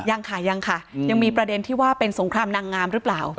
ยังค่ะยังค่ะยังมีประเด็นที่ว่าเป็นสงครามนางงามหรือเปล่า